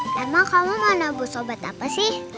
mama kamu mau nabur sobat apa sih